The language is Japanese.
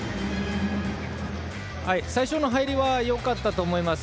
最初の入りはよかったと思います。